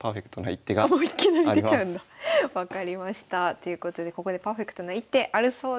ということでここでパーフェクトな一手あるそうです。